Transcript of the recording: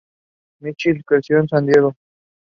The unit was led by Brig.